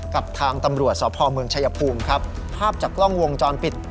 กับทางตำรวจสพเมืองชายภูมิครับภาพจากกล้องวงจรปิด